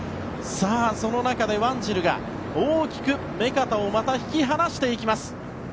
さあ、その中でワンジルが大きく目片を引き離していきます。